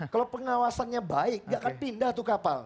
kalau pengawasannya baik tidak akan pindah itu kapal